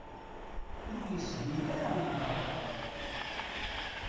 Ur yeshil ara umtar.